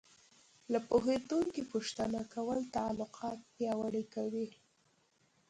له پوهېدونکي پوښتنه کول تعلقات پیاوړي کوي.